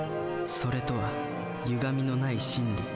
「それ」とはゆがみのない真理。